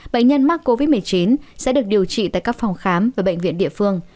bệnh nhân mắc covid một mươi chín sẽ được điều trị tại các phòng khám và bệnh viện địa phương